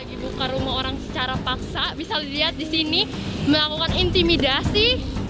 dibuka rumah orang secara paksa bisa dilihat di sini melakukan intimidasi